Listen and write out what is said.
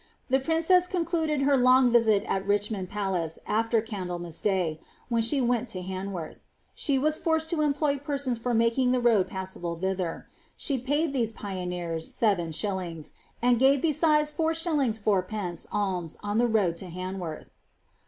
The princess concluded her long visit at Richmond Palace ai\er Candlemas day, when she went to Han worth. She was forced to employ persons for making tlie road passable thither ; she paid these pioneers 79., and gave besides 49. id, alms on the road to Han worth.